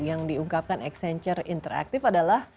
yang diungkapkan accenture interaktif adalah